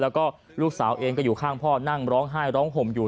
แล้วก็ลูกสาวเองก็อยู่ข้างพ่อนั่งร้องไห้ร้องห่มอยู่